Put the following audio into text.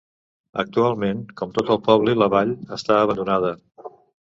Actualment, com tot el poble i la vall, està abandonada.